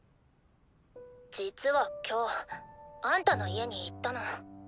実は今日あんたの家に行ったの。